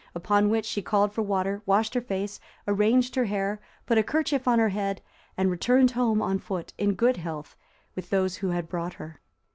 Upon which she called for water, washed her face, arranged her hair, put a kerchief on her head, and returned home on foot, in good health, with those who had brought her.